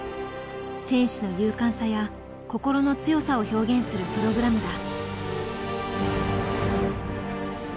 戦士の勇敢さや心の強さを表現するプログラムだ。